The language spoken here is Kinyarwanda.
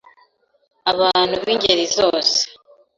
abantu b'ingeri zose